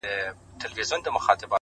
سترگه وره مي په پت باندي پوهېږي ـ